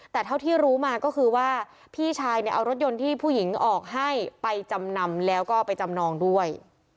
แต่เท่าที่รู้มาก็คือว่าพี่ชายเนี่ยเอารถยนต์ที่ผู้หญิงออกให้ไปจำนำแล้วก็ไปจำนองด้วย